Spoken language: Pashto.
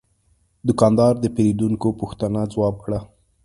دوکاندار د پیرودونکي پوښتنه ځواب کړه.